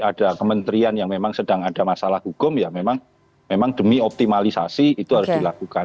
ada kementerian yang memang sedang ada masalah hukum ya memang demi optimalisasi itu harus dilakukan